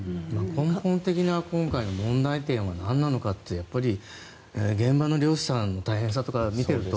根本的な今回の問題点は何なのかというとやっぱり、現場の漁師さんの大変さとかを見ていると。